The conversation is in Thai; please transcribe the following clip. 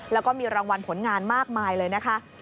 แล้วก็มีรางวัลผลงานมากมายเลยนะคะ